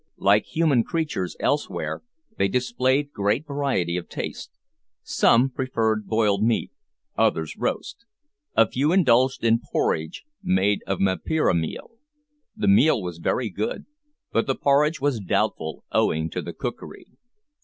Like human creatures elsewhere, they displayed great variety of taste. Some preferred boiled meat, others roast; a few indulged in porridge made of mapira meal. The meal was very good, but the porridge was doubtful, owing to the cookery.